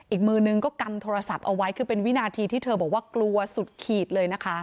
อีกมือนึงก็กำโทรศัพท์เอาไว้คือเป็นวินาทีที่เธอบอกว่ากลัวสุดขีดเลยนะคะ